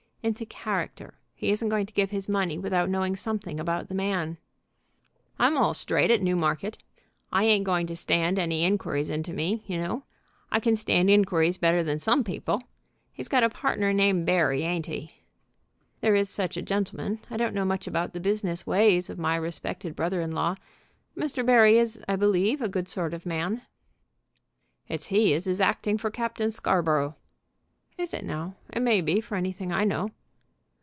"Into character. He isn't going to give his money without knowing something about the man." "I'm all straight at Newmarket. I ain't going to stand any inquiries into me, you know. I can stand inquiries better than some people. He's got a partner named Barry, ain't he?" "There is such a gentleman. I don't know much about the business ways of my respected brother in law. Mr. Barry is, I believe, a good sort of a man." "It's he as is acting for Captain Scarborough." "Is it, now? It may be, for anything I know."